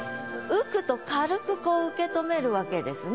「受く」と軽く受け止めるわけですね。